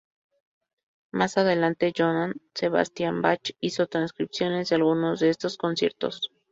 Más adelante Johann Sebastian Bach hizo transcripciones de algunos de estos conciertos.